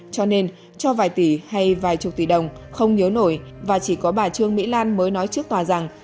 cho nên cho vài tỷ hay vài chục tỷ đồng không nhớ nổi và chỉ có bà trương mỹ lan mới nói trước tòa rằng